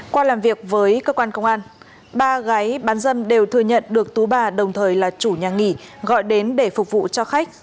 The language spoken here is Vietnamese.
qua làm việc với cơ quan công an ba gái bán dâm đều thừa nhận được tú bà đồng thời là chủ nhà nghỉ gọi đến để phục vụ cho khách